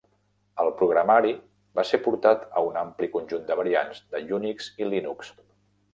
El programari va ser portat a un ampli conjunt de variants de Unix i Linux.